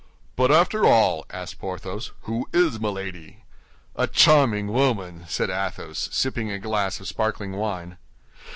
"But after all," asked Porthos, "who is Milady?" "A charming woman!" said Athos, sipping a glass of sparkling wine.